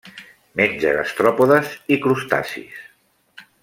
Menja gastròpodes i crustacis.